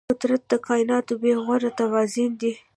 فطرت د کایناتو بېغوره توازن دی.